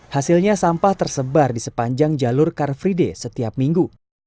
hasilnya sampah tersebar di sepanjang jalur car free day setiap minggu